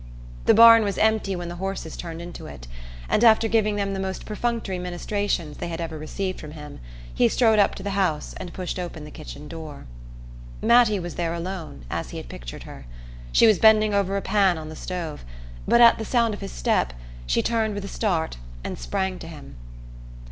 The barn was empty when the horses turned into it and, after giving them the most perfunctory ministrations they had ever received from him, he strode up to the house and pushed open the kitchen door. Mattie was there alone, as he had pictured her. She was bending over a pan on the stove; but at the sound of his step she turned with a start and sprang to him.